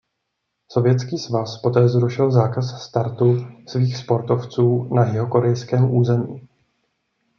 Sovětský svaz poté zrušil zákaz startu svých sportovců na jihokorejském území.